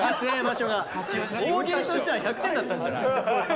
大喜利としては１００点だったじゃない。